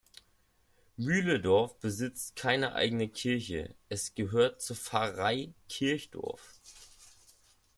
Mühledorf besitzt keine eigene Kirche, es gehört zur Pfarrei Kirchdorf.